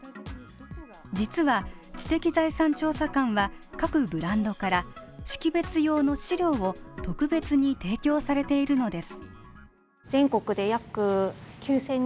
実は、知的財産調査官は、各ブランドから識別用の資料を、特別に提供されているのです。